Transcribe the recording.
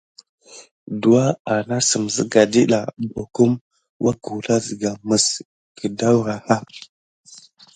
Douwa anasime siga ɗida bukun wakula siga mis gedaouraha.